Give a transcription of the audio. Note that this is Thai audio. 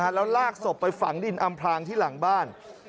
แล้วลากศพไปฝังดินอำพลางที่หลังบ้าน